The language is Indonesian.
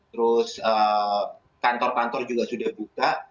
terus kantor kantor juga sudah buka